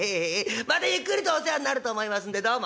またゆっくりとお世話んなると思いますんでどうも。